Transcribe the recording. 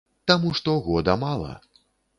Таму што года мала.